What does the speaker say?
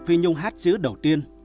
phi nhung hát chữ đầu tiên